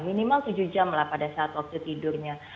minimal tujuh jam lah pada saat waktu tidurnya